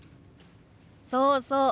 そうそう！